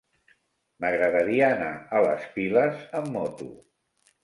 M'agradaria anar a les Piles amb moto.